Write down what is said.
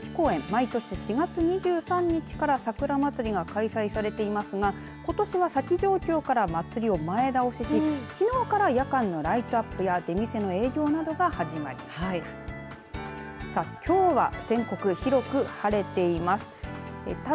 毎年４月２３日から桜まつりが開催されていますがことしは咲き状況から祭りを前倒ししきのうから夜間のライトアップや出店の営業などが始まりました。